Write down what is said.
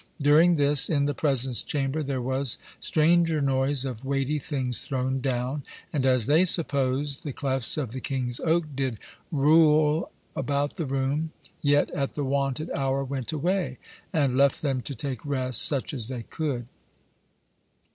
During this, in the presence chamber there was stranger noise of weightie things thrown down, and, as they supposed, the clefts of the King's Oak did roul about the room, yet at the wonted hour went away, and left them to take rest, such as they could.